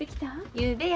ゆうべや。